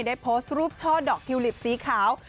ได้โพสต์รูปช่อดอกทิวลิปสีขาว